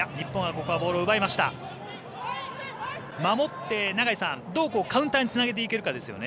守って、どうカウンターにつないでいけるかですよね。